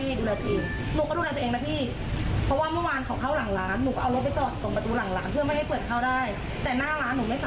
มันเกินที่หนูจะเซฟแล้ว